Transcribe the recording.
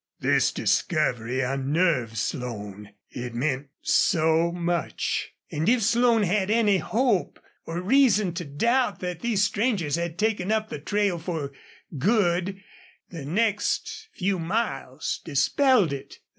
This discovery unnerved Slone. It meant so much. And if Slone had any hope or reason to doubt that these strangers had taken up the trail for good, the next few miles dispelled it.